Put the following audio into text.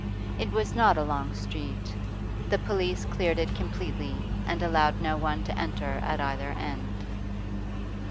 It was not a long street; the police cleared it completely and allowed no one to enter at either end.